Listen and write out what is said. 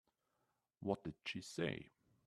What did she say?